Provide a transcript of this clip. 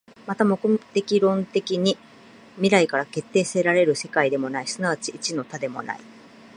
また目的論的に未来から決定せられる世界でもない、即ち一の多でもない。